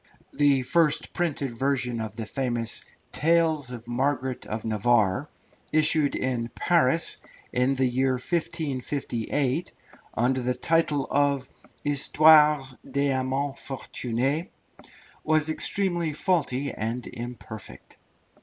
The first printed version of the famous Tales of Margaret of Navarre, issued in Paris in the year 1558, under the title of "Histoires des Amans Fortunez," was extremely faulty and imperfect.